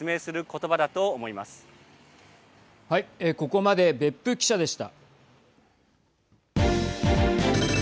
ここまで別府記者でした。